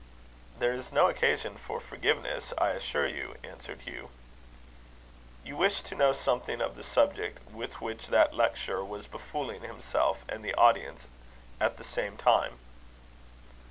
"There is no occasion for forgiveness, I assure you," answered Hugh. "You wished to know something of the subject with which that lecturer was befooling himself and the audience at the same time."